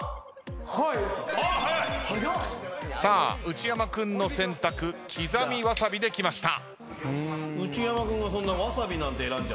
内山君の選択きざみわさびできました。